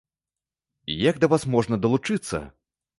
Як да вас можна далучыцца?